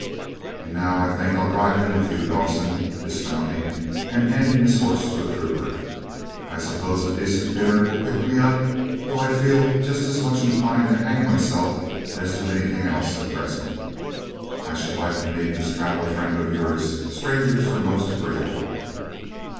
'And now I think I'll drive in with you, Dawson' (dismounting, and handing his horse to a trooper). 'I suppose a decent dinner will pick me up, though I feel just as much inclined to hang myself as do anything else at present. I should like to meet this travelled friend of yours; strangers are most agreeable.'